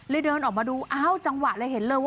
เดินออกมาดูอ้าวจังหวะเลยเห็นเลยว่า